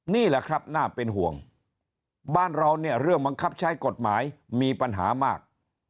นี่แหละครับน่าเป็นห่วงบ้านเราเนี่ยเรื่องบังคับใช้กฎหมายมีปัญหามาก